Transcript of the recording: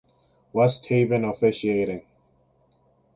Westhaven officiating.